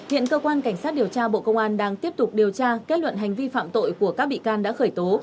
hiện cơ quan cảnh sát điều tra bộ công an đang tiếp tục điều tra kết luận hành vi phạm tội của các bị can đã khởi tố